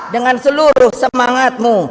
dengan seluruh semangatmu